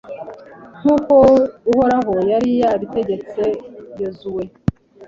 nk'uko uhoraho yari yabitegetse yozuwe